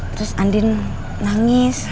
terus andin nangis